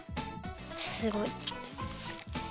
すごい。